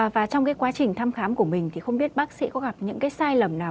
và trong quá trình thăm khám của mình thì không biết bác sĩ có gặp những sai lầm nào